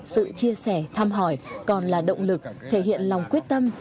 sự chia sẻ thăm hỏi còn là động lực thể hiện lòng quyết tâm